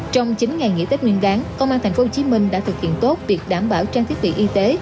trong chín ngày nghỉ tết nguyên đáng công an tp hcm đã thực hiện tốt việc đảm bảo trang thiết bị y tế